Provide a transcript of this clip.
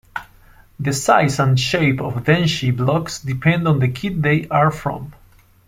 The size and shape of denshi blocks depend on the kit they are from.